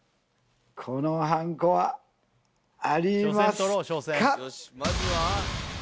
このはんこはありますか？